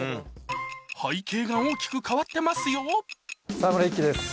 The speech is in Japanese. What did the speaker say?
背景が大きく変わってますよ沢村一樹です